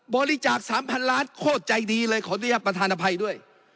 บริจาค๓๐๐๐ล้านโคตรใจดีเลยขออนุญาตประธานอภัยด้วย